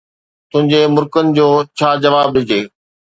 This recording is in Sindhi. تنھنجي مُرڪڻ جو ڇا جواب ڏجي.